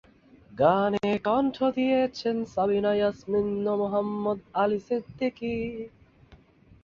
গানে কণ্ঠ দিয়েছেন সাবিনা ইয়াসমিন ও মোহাম্মদ আলী সিদ্দিকী।